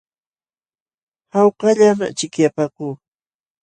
Hawkallam achikyapaakuu.